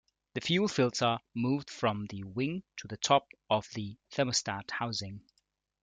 The fuel filter moved from the wing to the top of the thermostat housing.